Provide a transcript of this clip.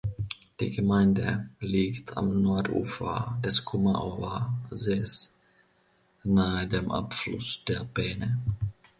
Die Gemeinde liegt am Nordufer des Kummerower Sees nahe dem Abfluss der Peene.